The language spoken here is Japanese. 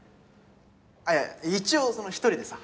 あっいや一応その１人でさ